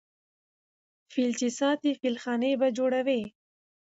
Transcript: ـ فيل چې ساتې فيلخانې به جوړوې.